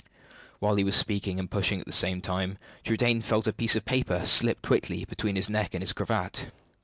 While he was speaking and pushing at the same time, Trudaine felt a piece of paper slip quickly between his neck and his cravat.